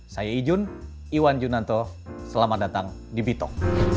saya ijun iwan junanto selamat datang di bitok